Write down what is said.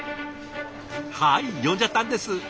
はい呼んじゃったんです。